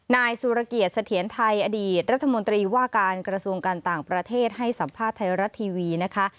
นายสุรเกียรติเสถียรไทยอดีตรัฐมนตรีว่าการกระทรวงการต่างประเทศให้สัมภาษณ์ไทยรัฐทีวีนะคะ